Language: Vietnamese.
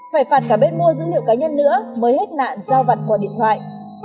phải phạt cả bên mua dữ liệu cá nhân nữa mới hết nạn giao vặt qua điện thoại